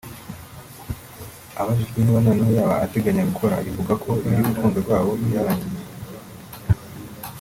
Abajijwe niba noneho yaba ateganya gukora ivuga ko iby’urukundo rwabo byarangiye